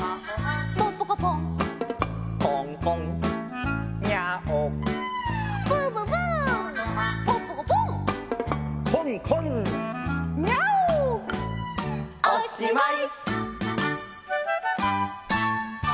「ポンポコポン」「コンコン」「ニャーオ」「ブブブー」「ポンポコポン」「コンコン」「ニャーオ」おしまい！